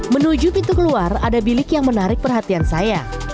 menuju pintu keluar ada bilik yang menarik perhatian saya